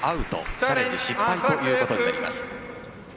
チャレンジ失敗ということになります。